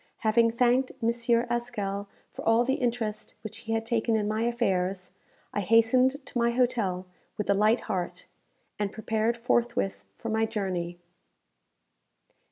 Having thanked M. Haskell for all the interest which he had taken in my affairs, I hastened to my hotel with a light heart, and prepared forthwith for my journey.